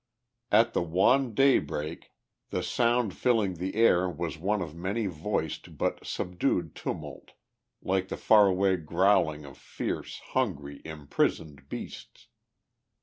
At the wan daybreak the sound filling the air was one of many voiced but subdued tumult, like the faraway growling of fierce, hungry, imprisoned beasts.